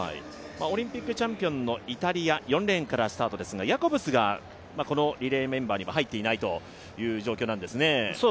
オリンピックチャンピオンのイタリア、４レーンからスタートですがヤコブスがこのリレーメンバーには入っていないという状況なんですね。